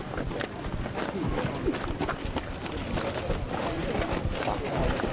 หลังจากที่สุดยอดเย็นหลังจากที่สุดยอดเย็น